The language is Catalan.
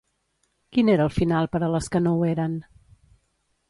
Quin era el final per a les que no ho eren?